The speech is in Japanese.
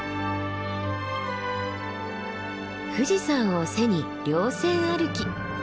富士山を背に稜線歩き。